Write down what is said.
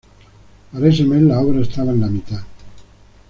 Para ese mes la obra estaba en la mitad.